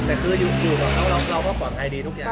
แต่คืออยู่กับเขาเราก็ปลอดภัยดีทุกอย่าง